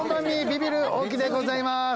ビビる大木でございます。